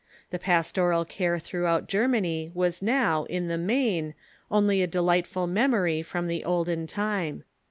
The pastoral care throughout Germany was now, in the main, only a delightful memory from the olden time.